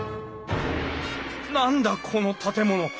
何だこの建物。